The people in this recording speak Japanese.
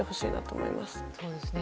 そうですね。